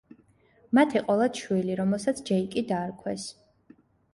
მათ ეყოლათ შვილი რომელსაც ჯეიკი დაარქვეს.